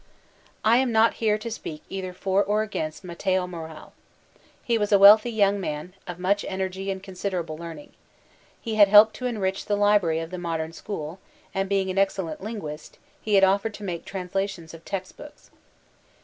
I am not here to speak either for or against Mateo MorraL He was a wealthy young man, of much energy and considerable learning. He had helped to enrich the library of the Modem School and being an excellent lin guist, he had offered to make translations of text books.